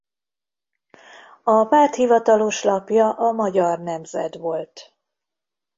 A párt hivatalos lapja a Magyar Nemzet volt.